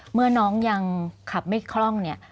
เมื่อน้องยังขับไม่คล่องเนี่ย